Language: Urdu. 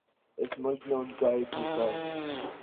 اس ملک میں ان کا ایک حلقہ ہے۔